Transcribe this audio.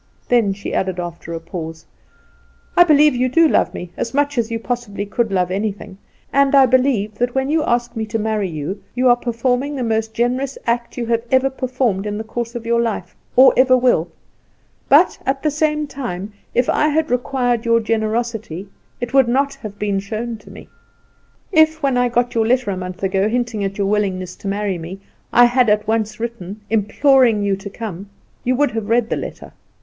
Then she added after a pause: "I believe you do love me, as much as you possibly could love anything; and I believe that when you ask me to marry you you are performing the most generous act you ever have performed in the course of your life, or ever will; but, at the same time, if I had required your generosity, it would not have been shown me. If, when I got your letter a month ago, hinting at your willingness to marry me, I had at once written, imploring you to come, you would have read the letter.